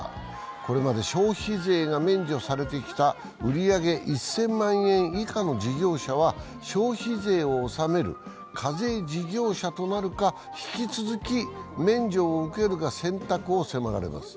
これまで消費税が免除されてきた売り上げ１０００万円以下の事業者は消費税を納める課税事業者となるか、引き続き免除を受けるか選択を迫られます。